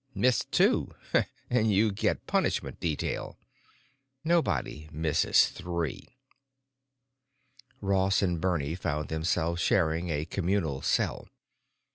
Miss two, and you get punishment detail. Nobody misses three." Ross and Bernie found themselves sharing a communal cell.